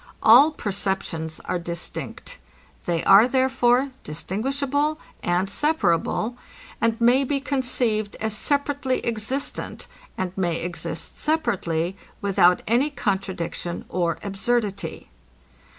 All perceptions are distinct. They are, therefore, distinguishable, and separable, and may be conceived as separately existent, and may exist separately, without any contradiction or absurdity.